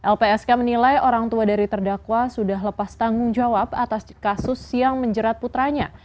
lpsk menilai orang tua dari terdakwa sudah lepas tanggung jawab atas kasus yang menjerat putranya